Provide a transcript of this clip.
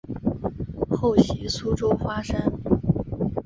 后徙苏州花山。